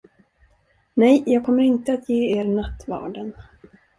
Nej, jag kommer inte att ge er nattvarden.